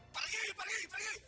pergi pergi pergi